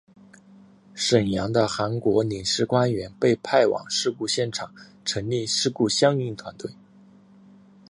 沈阳的韩国领事官员被派往事故现场成立事故相应团队。